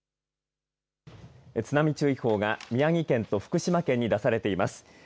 津波注意報が宮城県と福島県に出されています。